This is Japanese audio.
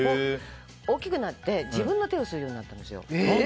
大きくなって自分の手を吸うようになったんですよ。